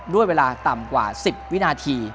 ด้วยเวลาต่ำกว่า๑๐วินาที